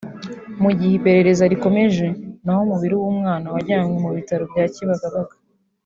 mu gihe iperereza rigikomeje naho umubiri w’umwana wajyanywe mu bitaro bya Kibagabaga